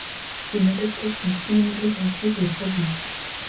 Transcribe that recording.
Une adaptation cinématographique est prévue.